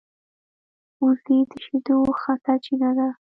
وزې د شیدو ښه سرچینه ده